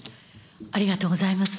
ありがとうございます。